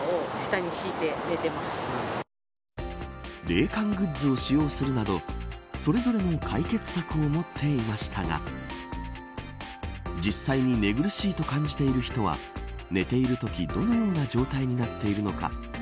冷感グッズを使用するなどそれぞれの解決策を持っていましたが実際に寝苦しいと感じている人は寝ているとき、どのような状態になっているのか。